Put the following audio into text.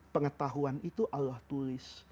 pengetahuan itu allah tulis